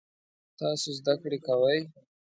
تاسو زده کړی کوئ؟